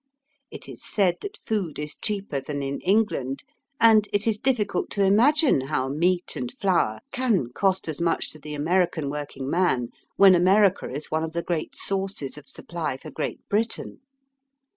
It is said that food is cheaper than in England, and it is difficult to imagine how meat and flour can cost as much to the American working pian when America is one of the great sources of supply for Great Britian.